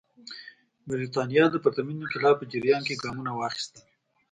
برېټانیا د پرتمین انقلاب په جریان کې ګامونه واخیستل.